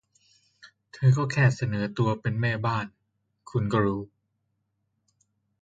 เธอก็แค่เสนอตัวเป็นแม่บ้าน คุณก็รู้